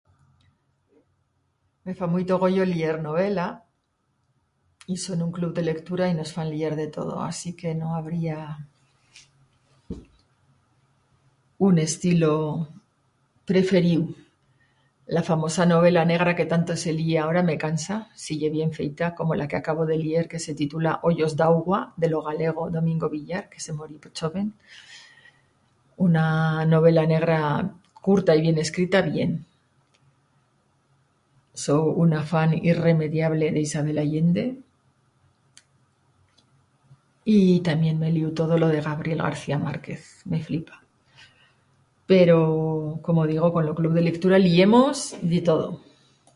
"Me fa muito goyo lier novela, i so en un club de lectura y nos fan lier de todo, así que no habría... un estilo... preferiu. La famosa novela negra, que tanto se líe agora, me cansa. Si ye bien feita, como la que acabo de lier, que se titula, ""Ollos d'augua"", de lo galego Domingo Villar que se morié pro choven... una novela negra curta y bien escrita, bien. So una fan irremediable d'Isabel Allende y tamién m'he liiu todo lo de Gabriel García Márquez, me flipa. Pero... como digo, con lo club de lectura liemos de todo."